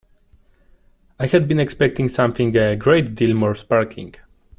I had been expecting something a great deal more sparkling.